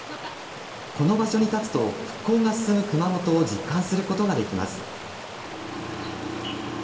この場所に立つと、復興が進む熊本を実感することができます。